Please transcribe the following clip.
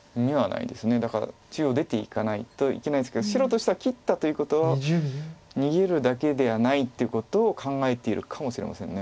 だから中央出ていかないといけないんですけど白としては切ったということは逃げるだけではないってことを考えてるかもしれません。